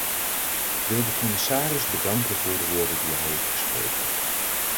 Ik wil de commissaris bedanken voor de woorden die hij heeft gesproken.